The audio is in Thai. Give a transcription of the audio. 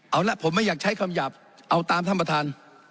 เอาละผมไม่อยากใช้คำหยาบเอาตามท่านประธาน